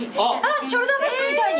ショルダーバッグみたいに？